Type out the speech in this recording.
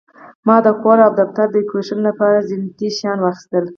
ما د کور او دفتر د ډیکوریشن لپاره زینتي شیان واخیستل.